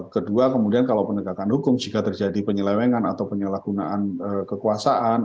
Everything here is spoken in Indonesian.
kedua kemudian kalau penegakan hukum jika terjadi penyelewengan atau penyalahgunaan kekuasaan